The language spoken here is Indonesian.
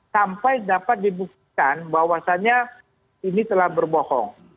sampai dapat dibuktikan bahwasannya ini telah berbohong